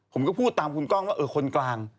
ผมก็พูดตามคุณกล้องว่าเออคนกลาง